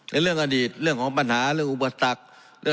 ในเรื่องกลางดีเรื่องของปัญหาเรื่องอุบัติตักฐ์